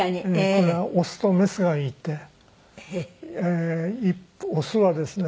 これはオスとメスがいてオスはですね